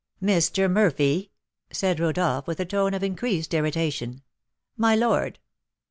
"Mr. Murphy!" said Rodolph, with a tone of increased irritation. "My lord!"